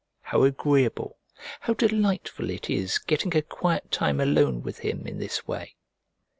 How agreeable, how delightful it is getting a quiet time alone with him in this way!